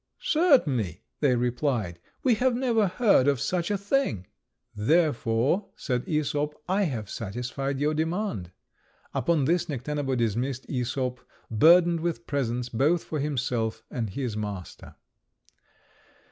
"Certainly," they replied; "we have never heard of such a thing." "Therefore," said Æsop, "I have satisfied your demand." Upon this Necténabo dismissed Æsop, burdened with presents both for himself and his master.